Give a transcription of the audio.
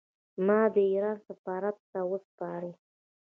ما دې د ایران سفارت ته وسپاري.